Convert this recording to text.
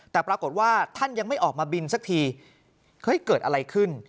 แต่ปรากฏว่าท่านยังไม่ออกมาบินสักทีเฮ้ยเกิดอะไรขึ้น